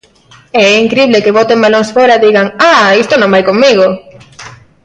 E é incrible que boten balóns fóra e digan:¡ah!, isto non vai comigo.